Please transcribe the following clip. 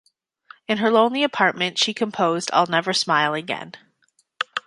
In her lonely apartment, she composed "I'll Never Smile Again".